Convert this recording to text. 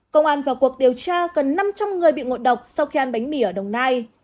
công an vào cuộc điều tra gần năm trăm linh người bị ngộ độc sau khi ăn bánh mì ở đồng nai